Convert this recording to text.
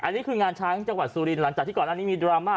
อันนี้คืองานช้างจังหวัดสุรินหลังจากที่ก่อนอันนี้มีดราม่า